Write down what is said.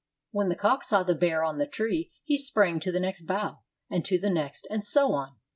When the cock saw the bear on the tree, he sprang to the next bough, and to the next, and so on.